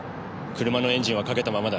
車のエンジンはかけたままだ。